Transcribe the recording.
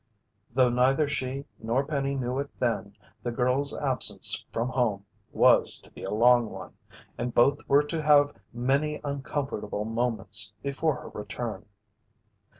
Though neither she nor Penny knew it then, the girl's absence from home was to be a long one, and both were to have many uncomfortable moments before her return.